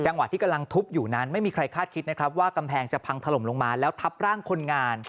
ที่กำลังทุบอยู่นั้นไม่มีใครคาดคิดนะครับว่ากำแพงจะพังถล่มลงมาแล้วทับร่างคนงาน